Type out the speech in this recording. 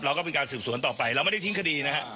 เราก็เป็นการสืบสวนต่อไปเราไม่ได้ทิ้งคดีนะฮะ